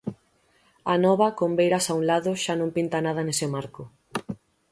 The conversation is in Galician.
Anova, con Beiras a un lado, xa non pinta nada nese marco.